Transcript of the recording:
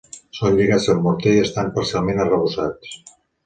Són lligats amb morter i estan parcialment arrebossats.